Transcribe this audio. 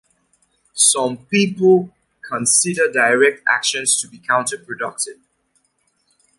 Some people consider direct actions to be counter-productive.